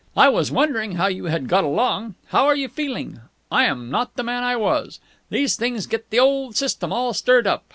I was wondering how you had got along. How are you feeling? I'm not the man I was! These things get the old system all stirred up!